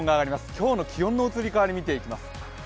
今日の気温の移り変わり見ていきます。